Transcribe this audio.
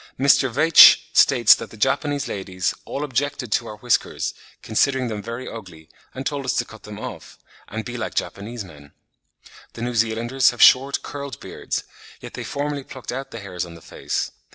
Mr. Veitch states that the Japanese ladies "all objected to our whiskers, considering them very ugly, and told us to cut them off, and be like Japanese men." The New Zealanders have short, curled beards; yet they formerly plucked out the hairs on the face.